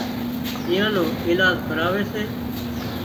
ايئان نو ايلاز ڪراوي سي